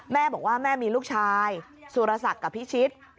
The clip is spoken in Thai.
แม่บอกว่าแม่มีลูกชายสุรศักดิ์กับพิชิต